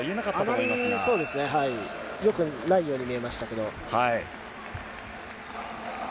あまり、よくないように見えましたけど。